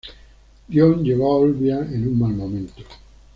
Dión llegó a Olbia en un mal momento.